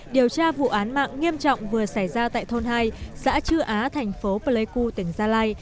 điều tra vụ án mạng nghiêm trọng vừa xảy ra tại thôn hai xã chư á thành phố pleiku tỉnh gia lai